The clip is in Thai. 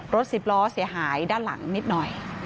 สิบล้อเสียหายด้านหลังนิดหน่อย